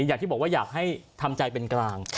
อย่างที่บอกว่าอยากให้ทำใจเป็นกลาง